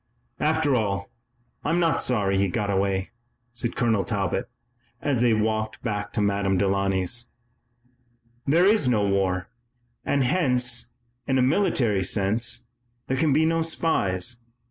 "After all, I'm not sorry he got away," said Colonel Talbot, as they walked back to Madame Delaunay's. "There is no war, and hence, in a military sense, there can be no spies.